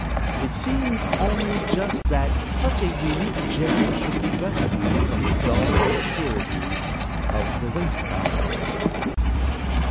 It seems only just that such a unique gem should be rescued from the dull obscurity of the waste basket.